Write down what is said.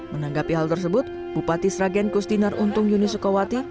menanggapi hal tersebut bupati sragen kustinar untung yuni sukawati